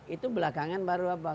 itu belakangan baru apa